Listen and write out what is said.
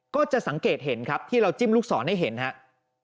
ก็จะสังเกตเห็นครับที่เราจิ้มลูกศรให้เห็นครับ